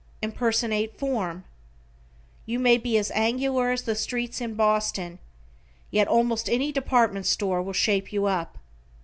Impersonate form. You may be as angular as the streets in Boston, yet almost any department store will shape you up.